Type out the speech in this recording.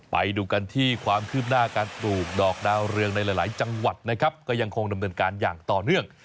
ไปดูกันที่ความคืบหน้าการปลูกดอกดาวเรืองในหลายจังหวัดนะครับก็ยังคงดำเนินการอย่างต่อเนื่อง